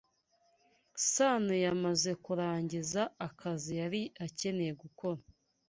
Sanoyamaze kurangiza akazi yari akeneye gukora.